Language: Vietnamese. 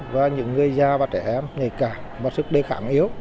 và những người da và trẻ em ngày càng và sức đề khẳng yếu